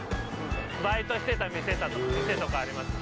バイトしてた店とかありますよ。